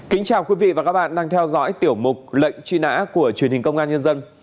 kính chào quý vị và các bạn đang theo dõi tiểu mục lệnh truy nã của truyền hình công an nhân dân